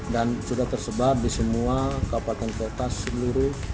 dan sudah tersebar di semua kabupaten kota seluruh